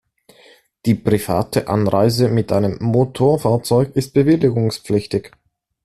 Die private Anreise mit einem Motorfahrzeug ist bewilligungspflichtig.